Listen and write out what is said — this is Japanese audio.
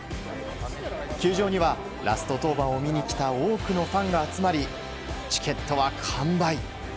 球場にはラスト登板を見に来た多くのファンが集まりチケットは完売。